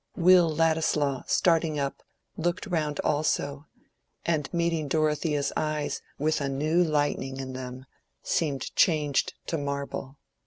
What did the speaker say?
Will Ladislaw, starting up, looked round also, and meeting Dorothea's eyes with a new lightning in them, seemed changing to marble.